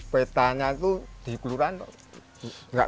petanya itu di kelurahan nggak tahu ya